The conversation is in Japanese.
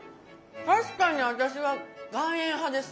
確かに私は岩塩派です。